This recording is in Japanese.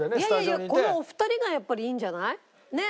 いやいやいやこのお二人がやっぱりいいんじゃない？ねえ。